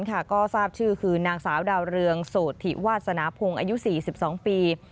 ก็ทราบชื่อคือนางสาวดาวเรืองโสธิวาสนาพงศ์อายุ๔๒ปี